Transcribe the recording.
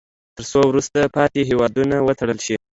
تر څو وروسته پاتې هیوادونه وتړل شي.